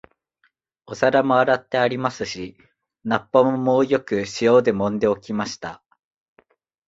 お皿も洗ってありますし、菜っ葉ももうよく塩でもんで置きました